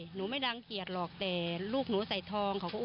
หนูไม่รังเกียจหรอกแต่ลูกหนูใส่ทองเขาก็